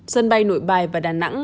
sân bay nội bài và đà nẵng